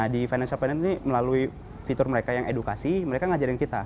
di financial planet ini melalui fitur mereka yang edukasi mereka ngajarin kita